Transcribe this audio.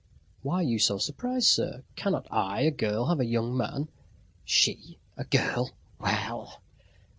"Why are you so surprised, sir? Cannot I, a girl, have a young man?" She? A girl? Well!